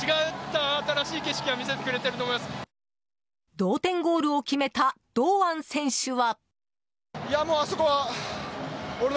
同点ゴールを決めた堂安選手は。